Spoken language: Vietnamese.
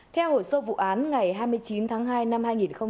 theo hội sơ vụ án ngày hai mươi chín tháng hai năm hai nghìn một mươi chín